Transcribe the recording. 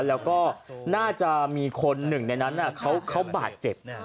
แล้วก็น่าจะมีคนหนึ่งในนั้นเขาบาดเจ็บ